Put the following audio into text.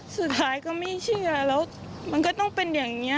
สุดท้ายก็ไม่เชื่อแล้วมันก็ต้องเป็นอย่างนี้